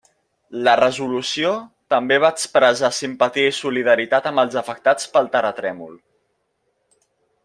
La resolució també va expressar simpatia i solidaritat amb els afectats pel terratrèmol.